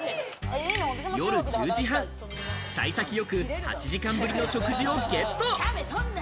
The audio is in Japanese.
夜１０時半、幸先よく８時間ぶりの食事をゲット。